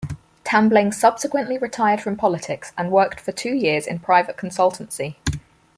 Tambling subsequently retired from politics and worked for two years in private consultancy.